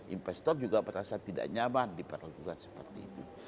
investor juga merasa tidak nyaman diperlakukan seperti itu